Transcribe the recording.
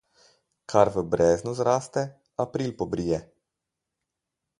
Kar v breznu zraste, april pobrije.